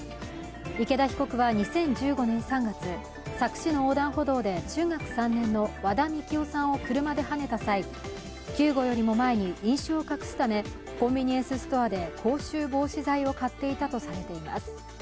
池田被告は２０１５年３月、佐久市の横断歩道で中学３年の和田樹生さんを車ではねた際、救護よりも前に、飲酒を隠すためコンビニエンスストアで口臭防止剤を買っていたとされています。